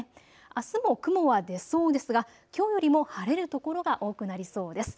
あすも雲は出そうですがきょうよりも晴れる所が多そうです。